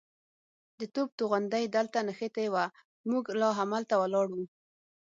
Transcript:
د توپ توغندی دلته نښتې وه، موږ لا همالته ولاړ وو.